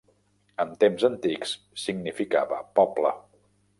En temps antics significava poble.